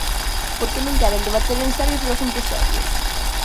¿Por que non queren debater en serio sobre asuntos serios?